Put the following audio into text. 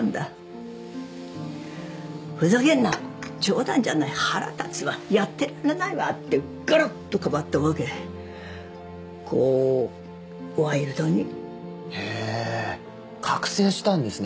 ふざけんな冗談じゃない腹立つわやってられないわってガラッと変わったわけこうワイルドに？へえー覚醒したんですね